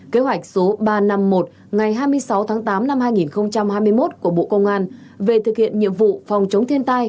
kế hoạch số ba trăm năm mươi một ngày hai mươi sáu tháng tám năm hai nghìn hai mươi một của bộ công an về thực hiện nhiệm vụ phòng chống thiên tai